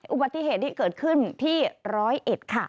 อุบัติเหตุที่เกิดขึ้นที่ร้อยเอ็ดค่ะ